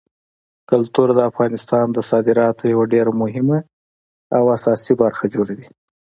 کلتور د افغانستان د صادراتو یوه ډېره مهمه او اساسي برخه جوړوي.